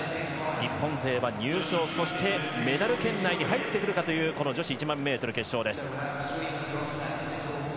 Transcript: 日本勢は入賞メダル圏内に入ってくるかという女子１００００ｍ決勝です。